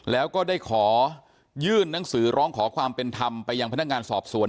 แล้วก็ได้ขอยื่นหนังสือร้องขอความเป็นธรรมไปยังพนักงานสอบสวน